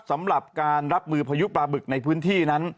สำหรับการรับมือพายุปลาบึกในพื้นที่นั้น